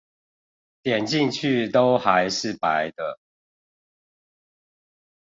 點進去都還是白的